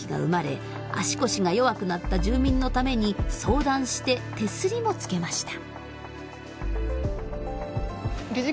足腰が弱くなった住民のために相談して手すりもつけました。